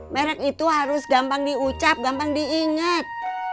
merk itu harus gampang diucap gampang diinget